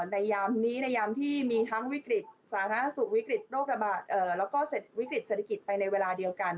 ในยามนี้ในยามที่มีทั้งสาธารณสุขวิกฤตโรคระบาดและวิกฤตเศรษฐกิจไปในเวลาเดียวกัน